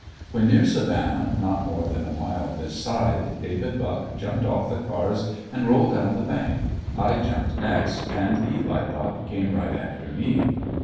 When near Savannah, not more than a mile this side, David Buck jumped off the cars and rolled down the bank. I jumped next and Eli Buck came right after me.